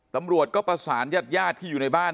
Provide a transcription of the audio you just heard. ตำรวจก็ประสานญาติญาติที่อยู่ในบ้าน